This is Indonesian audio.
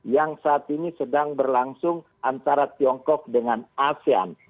yang saat ini sedang berlangsung antara tiongkok dengan asean